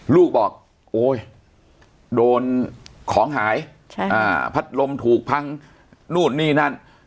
ลูกบอกโอ๊ยโดนของหายพัดลมถูกพังนู่นนี่นั่น